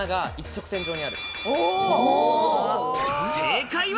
正解は。